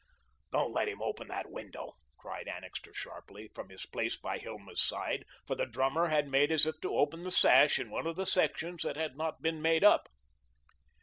"Don't let him open that window," cried Annixter sharply from his place by Hilma's side, for the drummer had made as if to open the sash in one of the sections that had not been made up.